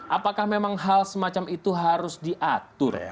apakah memang hal semacam itu harus diatur